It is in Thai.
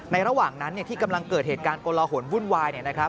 ระหว่างนั้นที่กำลังเกิดเหตุการณ์กลหนวุ่นวาย